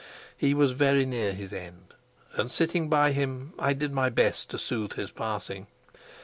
He was very near his end, and, sitting by him, I did my best to soothe his passing.